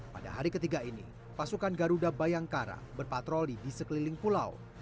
pada hari ketiga ini pasukan garuda bayangkara berpatroli di sekeliling pulau